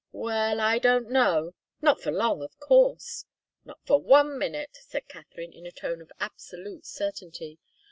"Well I don't know. Not for long, of course." "Not for one minute," said Katharine, in a tone of absolute certainty.